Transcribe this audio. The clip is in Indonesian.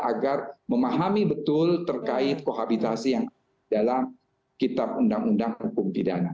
agar memahami betul terkait kohabitasi yang ada dalam kitab undang undang hukum pidana